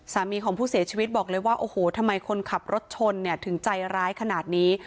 สามีของผู้เสียชีวิตบอกเลยว่าโอ้โหทำไมคนขับรถชนเนี่ยถึงใจร้ายขนาดนี้